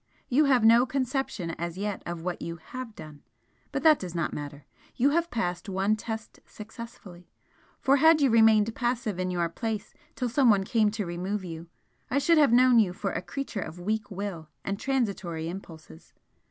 You have no conception as yet of what you HAVE done! but that does not matter. You have passed one test successfully for had you remained passive in your place till someone came to remove you, I should have known you for a creature of weak will and transitory impulses.